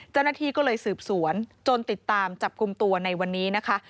เจ้าหน้าที่ก็เลยสืบสวนจนติดตามจับกลุ่มตัวในวันนี้นะคะ